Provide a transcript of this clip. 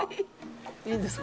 いいんですか？